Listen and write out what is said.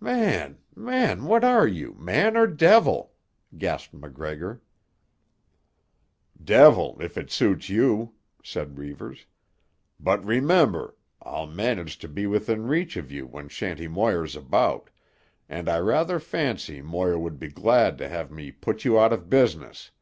"Man—man—what are you, man or devil?" gasped MacGregor. "Devil, if it suits you," said Reivers. "But, remember, I'll manage to be within reach of you when Shanty Moir's about, and I rather fancy Moir would be glad to have me put you out of business.